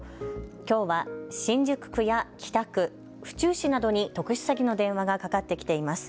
きょうは新宿区や北区、府中市などに特殊詐欺の電話がかかってきています。